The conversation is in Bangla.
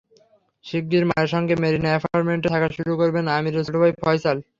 শিগগির মায়ের সঙ্গে মেরিনা অ্যাপার্টমেন্টে থাকা শুরু করবেন আমিরের ছোট ভাই ফয়সাল।